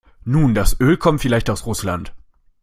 Nun, das Öl kommt vielleicht aus Russland.